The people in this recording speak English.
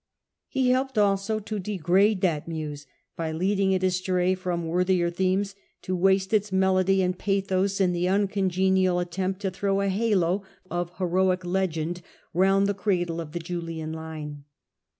He helped also to degrade that muse by leading it astray from worthier themes to waste its melody and pathos in the uncongenial attempt to throw a halo of heroic legend round the cradle of the Julian line.